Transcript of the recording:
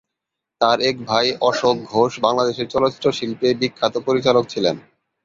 তার এক ভাই অশোক ঘোষ বাংলাদেশের চলচ্চিত্র শিল্পে বিখ্যাত পরিচালক ছিলেন।